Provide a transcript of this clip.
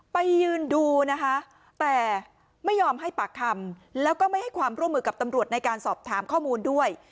ยืนดูนะคะแต่ไม่ยอมให้ปากคำแล้วก็ไม่ให้ความร่วมมือกับตำรวจในการสอบถามข้อมูลด้วย